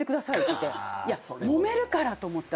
いやもめるから！と思って。